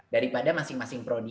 daripada masing masing prodi